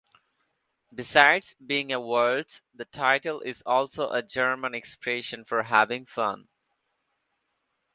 Besides being a waltz, the title is also a German expression for having fun.